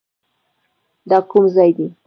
دا کوم ځای دی؟